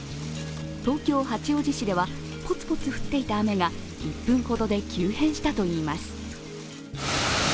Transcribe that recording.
東京・八王子市では、ポツポツ降っていた雨が１分ほどで急変したといいます。